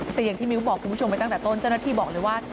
แต่อย่างที่มิ้วบอกคุณผู้ชมไปตั้งแต่ต้นเจ้าหน้าที่บอกเลยว่า